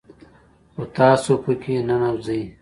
خو تاسو په كي ننوځئ